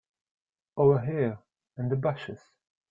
Over here in the bushes.